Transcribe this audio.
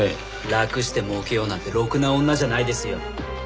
楽して儲けようなんてろくな女じゃないですよ。